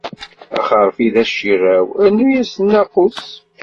Axerfi d aciṛṛaw, rnu-as nnaqus.